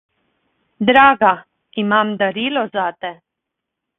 Draga, imam darilo zate.